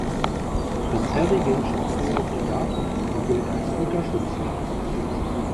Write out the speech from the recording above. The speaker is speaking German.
Prinz Harry ging schon früh auf die Jagd und gilt als guter Schütze.